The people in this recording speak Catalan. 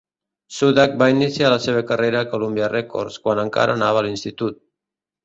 Sudack va iniciar la seva carrera a Columbia Records quan encara anava a l'institut.